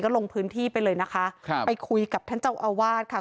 ลงพื้นที่ไปเลยนะคะครับไปคุยกับท่านเจ้าอาวาสค่ะ